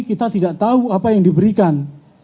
kita tidak tahu apa yang diberikan